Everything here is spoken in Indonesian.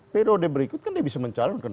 periode berikut kan dia bisa mencalonkan